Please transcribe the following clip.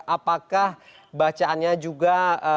apakah bacaannya juga